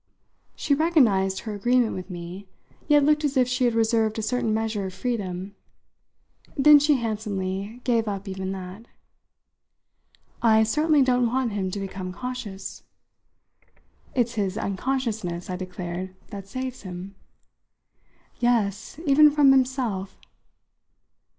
She recognised her agreement with me, yet looked as if she had reserved a certain measure of freedom. Then she handsomely gave up even that. "I certainly don't want him to become conscious." "It's his unconsciousness," I declared, "that saves him." "Yes, even from himself."